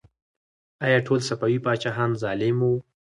آیا ټول صفوي پاچاهان ظالم وو؟